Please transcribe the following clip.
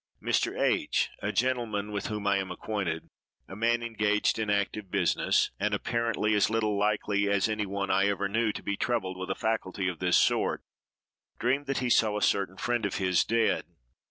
Mr. H——, a gentleman with whom I am acquainted—a man engaged in active business, and apparently as little likely as any one I ever knew to be troubled with a faculty of this sort—dreamed that he saw a certain friend of his dead.